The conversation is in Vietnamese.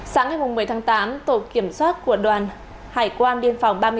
sáng ngày một mươi tháng tám tổ kiểm soát của đoàn hải quan biên phòng ba mươi bảy